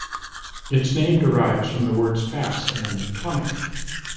Its name derives from the words “fast” and “tonic”.